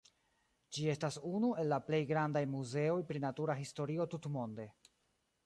Ĝi estas unu el la plej grandaj muzeoj pri natura historio tutmonde.